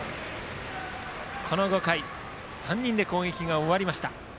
この５回は３人で攻撃が終わりました。